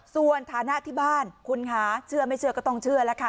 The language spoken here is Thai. ส่วนฐานะที่บ้านคุณค่ะเชื่อไม่เชื่อก็ต้องเชื่อแล้วค่ะ